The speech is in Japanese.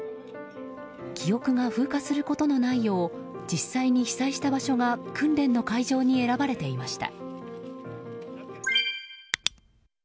記憶が風化することのないよう実際に被災した場所が訓練の会場に選ばれていました。